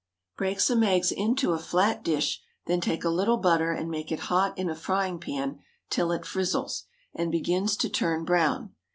Break some eggs into a flat dish, then take a little butter and make it hot in a frying pan till it frizzles and begins to turn brown.